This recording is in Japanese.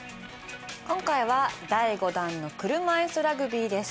今回は第５弾の車いすラグビーです。